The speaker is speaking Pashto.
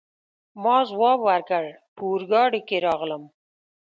ما ځواب ورکړ: په اورګاډي کي راغلم.